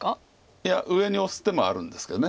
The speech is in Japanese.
いや上にオス手もあるんですけど。